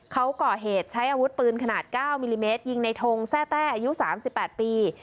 เขาก่อเหตุใช้อาวุธปืนขนาด๙มิลลิเมตรยิงในทงแทร่แต้อายุ๓๘ปี